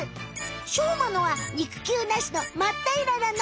しょうまのは肉球なしのまったいらなの。